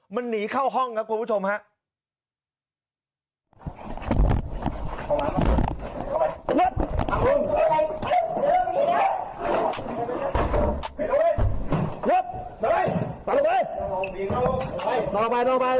มันหนีเข้าห้องครับคุณผู้ชมครับ